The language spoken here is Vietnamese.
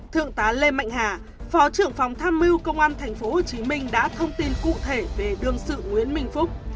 thượng tá lê mạnh hà phó trưởng phòng tham mưu công an tp hcm đã thông tin cụ thể về đương sự nguyễn minh phúc